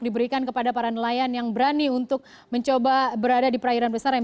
diberikan kepada para nelayan yang berani untuk mencoba berada di perairan besar yang